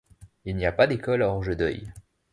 Il n'y a pas d'école à Orgedeuil.